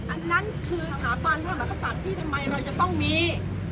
อันนั้นคือสถาบันพระมหากษัตริย์ที่ทำไมเราจะต้องมี